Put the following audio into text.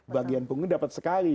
bagian punggung dapat sekali